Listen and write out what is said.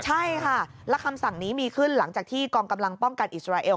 ใช่ค่ะและคำสั่งนี้มีขึ้นหลังจากที่กองกำลังป้องกันอิสราเอล